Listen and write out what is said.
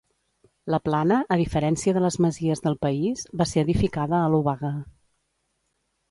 La Plana, a diferència de les masies del país, va ser edificada a l'obaga.